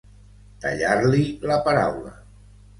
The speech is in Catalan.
Tallar-li la paraula.